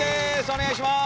お願いします。